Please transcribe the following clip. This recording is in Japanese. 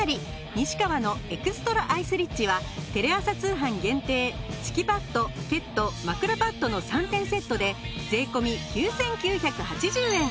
西川のエクストラアイスリッチはテレ朝通販限定敷きパッドケット枕パッドの３点セットで税込９９８０円。